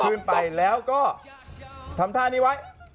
ขึ้นไปแล้วก็ทำท่านี้ไว้